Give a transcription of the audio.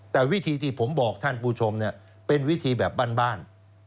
แต่วิธีที่ผมบอกท่านผู้ชมเป็นวิธีแบบบ้าน